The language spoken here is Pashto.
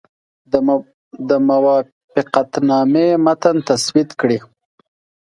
د موافقتنامې متن تسوید کړي.